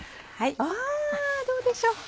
あどうでしょう。